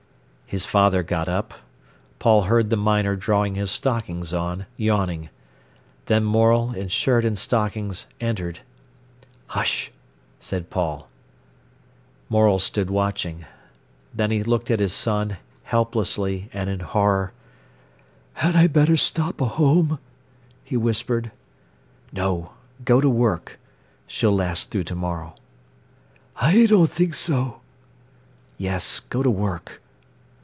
His father got up. Paul heard the miner drawing his stockings on, yawning. Then Morel, in shirt and stockings, entered. "Hush!" said Paul. Morel stood watching. Then he looked at his son, helplessly, and in horror. "Had I better stop a whoam?" he whispered. "No. Go to work. She'll last through to morrow." "I don't think so." "Yes. Go to work."